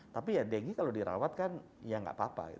tapi ya denggi kalau dirawat kan ya nggak apa apa